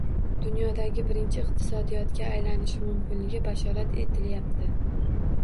Dunyodagi birinchi iqtisodiyotga aylanishi mumkinligi bashorat etilyapti.